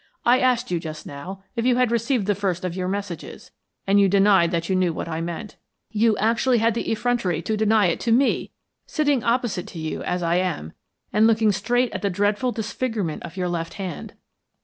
I asked you just now if you had received the first of your messages, and you denied that you knew what I meant. You actually had the effrontery to deny it to me, sitting opposite to you as I am, and looking straight at the dreadful disfigurement of your left hand.